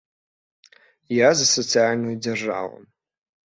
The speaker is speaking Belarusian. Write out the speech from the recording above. Я за сацыяльную дзяржаву.